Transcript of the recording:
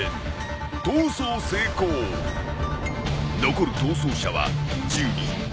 ［残る逃走者は１０人］